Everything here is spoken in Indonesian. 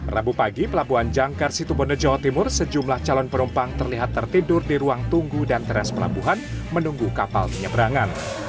rabu pagi pelabuhan jangkar situbondo jawa timur sejumlah calon penumpang terlihat tertidur di ruang tunggu dan teras pelabuhan menunggu kapal penyeberangan